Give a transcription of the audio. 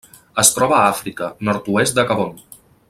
Es troba a Àfrica: nord-oest de Gabon.